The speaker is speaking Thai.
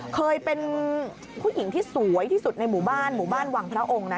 เคยเป็นผู้หญิงที่สวยที่สุดในหมู่บ้านหมู่บ้านวังพระองค์นะ